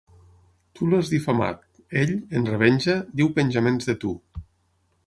Tu l'has difamat: ell, en revenja, diu penjaments de tu.